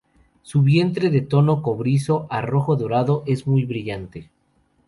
Su vientre de tono cobrizo a rojo-dorado es muy brillante.